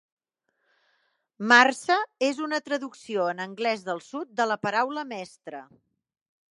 "Marse" és una traducció en anglès del sud de la paraula "mestre".